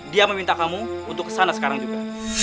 dia meminta kamu untuk ke sana sekarang juga